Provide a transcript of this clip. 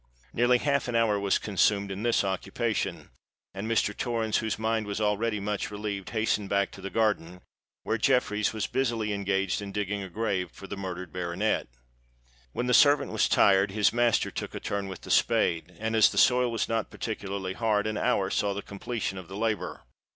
Nearly half an hour was consumed in this occupation; and Mr. Torrens, whose mind was already much relieved, hastened back to the garden, where Jeffreys was busily engaged in digging a grave for the murdered baronet. When the servant was tired, his master took a turn with the spade; and, as the soil was not particularly hard, an hour saw the completion of the labour.